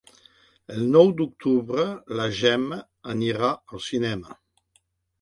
El nou d'octubre na Gemma anirà al cinema.